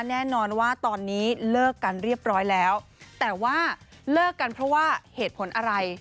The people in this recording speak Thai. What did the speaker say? แน่นอนว่าตอนนี้เลิกกันเรียบร้อยแล้วแต่ว่าเลิกกันเพราะว่าเหตุผลอะไร